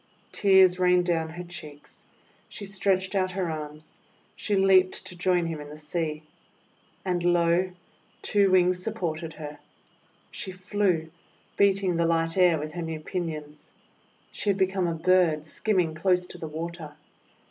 Tears rained down her cheeks. She stretched out her arms. She leaped to join him in the sea. And, lo! two wings supported her. She flew, beating the light air with her new pinions. She had become a bird skimming close to the water.